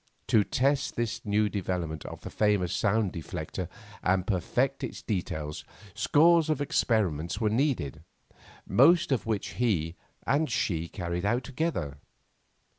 To test this new development of the famous sound deflector and perfect its details, scores of experiments were needed, most of which he and she carried out together.